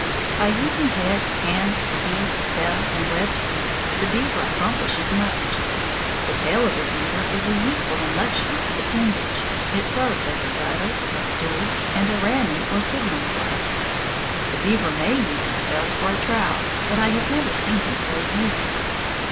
By using head, hands, teeth, tail, and webbed feet the beaver accomplishes much. The tail of a beaver is a useful and much used appendage; it serves as a rudder, a stool, and a ramming or signal club. The beaver may use his tail for a trowel, but I have never seen him so use it.